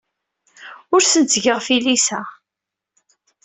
Ur asen-ttgeɣ tilisa.